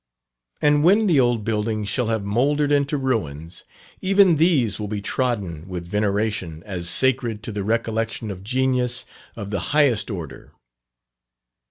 And when the old building shall have mouldered into ruins, even these will be trodden with veneration as sacred to the recollection of genius of the highest order.